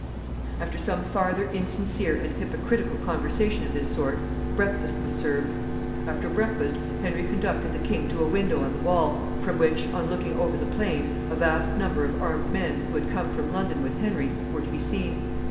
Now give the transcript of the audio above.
After some farther insincere and hypocritical conversation of this sort, breakfast was served. After breakfast, Henry conducted the king to a window on the wall, from which, on looking over the plain, a vast number of armed men, who had come from London with Henry, were to be seen.